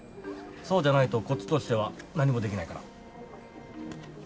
そうじゃないと、こっちとしては何もできないから。